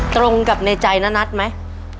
ตรงกับในใจณนัทไหม